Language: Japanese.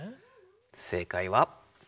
正解は。